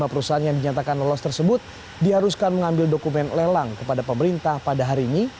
lima perusahaan yang dinyatakan lolos tersebut diharuskan mengambil dokumen lelang kepada pemerintah pada hari ini